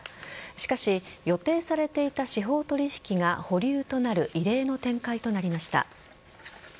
しかし予定されていた司法取引が保留となる異例の展開となりました。